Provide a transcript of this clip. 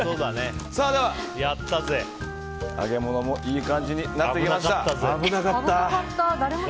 では揚げ物もいい感じになってきました。